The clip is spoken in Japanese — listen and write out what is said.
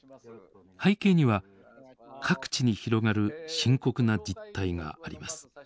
背景には各地に広がる深刻な実態があります。